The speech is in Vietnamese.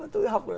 tôi học được